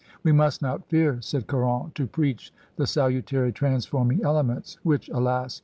We must not fear, said Caron, to preach the salutary transfonriing elements which, alas